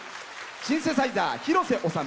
シンセサイザー、広瀬修。